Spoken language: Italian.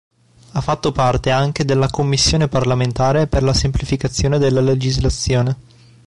Ha fatto parte anche della Commissione parlamentare per la semplificazione della legislazione.